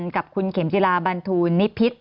กับคุณเข็มจิลาบันทูลนิพิษ